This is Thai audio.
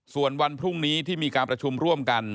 ส่วนวันพรุ่งนี้ที่มีการประชุมร่วมกัน